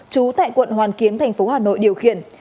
chú tại quận hoàn kiếm tp hcm